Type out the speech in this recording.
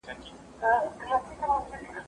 زه به اوږده موده د کتابتون پاکوالی کړی وم؟